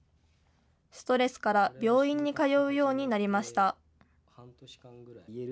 ストレスから病院に通うようになりました。